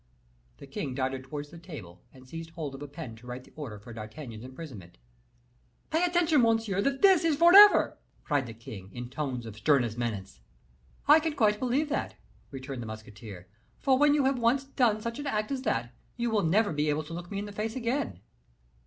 The king darted towards the table and seized hold of a pen to write the order for D'Artagnan's imprisonment. "Pay attention, monsieur, that this is forever," cried the king, in tones of sternest menace. "I can quite believe that," returned the musketeer; "for when you have once done such an act as that, you will never be able to look me in the face again."